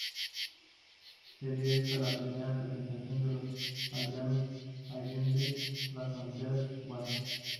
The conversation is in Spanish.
Sería esta, la primera presentación de Los Aldeanos allende las fronteras cubanas.